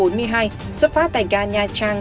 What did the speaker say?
xuất phát tại ca nha trang